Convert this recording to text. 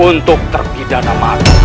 untuk terpidana mati